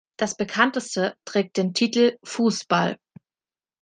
Das bekannteste trägt den Titel „Fußball“.